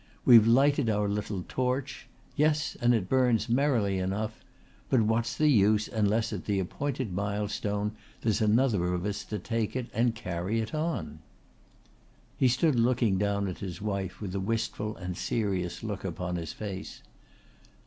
We've lighted our little torch. Yes, and it burns merrily enough, but what's the use unless at the appointed mile stone there's another of us to take it and carry it on?" He stood looking down at his wife with a wistful and serious look upon his face.